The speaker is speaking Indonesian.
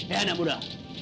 eh anak muda